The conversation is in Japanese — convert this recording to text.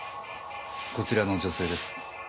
こちらの女性です。